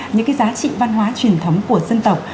những cái giá trị văn hóa truyền thống của dân tộc